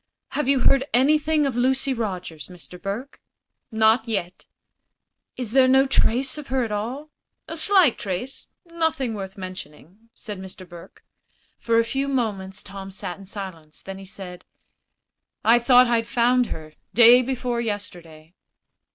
"Have you heard anything of Lucy Rogers, Mr. Burke?" "Not yet." "Is there no trace of her at all?" "A slight trace nothing worth mentioning," said Mr. Burke. For a few moments Tom sat in silence. Then he said: "I thought I'd found her, day before yesterday."